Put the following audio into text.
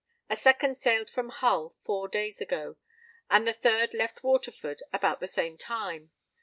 A second sailed from Hull four days ago: and the third left Waterford about the same time.